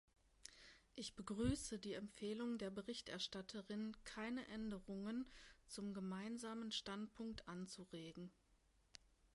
Ich begrüße die Empfehlung der Berichterstatterin, keine Änderungen zum Gemeinsamen Standpunkt anzuregen.